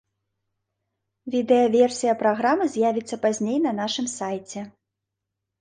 Відэаверсія праграмы з'явіцца пазней на нашым сайце.